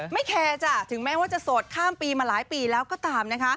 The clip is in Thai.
แคร์จ้ะถึงแม้ว่าจะโสดข้ามปีมาหลายปีแล้วก็ตามนะคะ